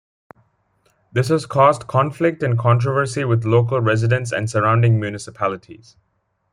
This has caused conflict and controversy with local residents and surrounding municipalities.